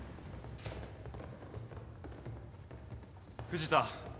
藤田